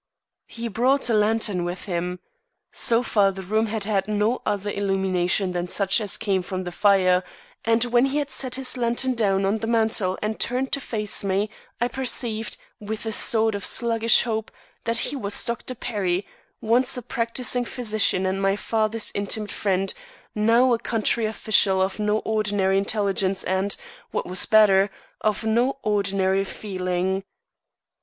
He brought a lantern with him. So far the room had had no other illumination than such as came from the fire, and when he had set this lantern down on the mantel and turned to face me, I perceived, with a sort of sluggish hope, that he was Dr. Perry, once a practising physician and my father's intimate friend, now a county official of no ordinary intelligence and, what was better, of no ordinary feeling.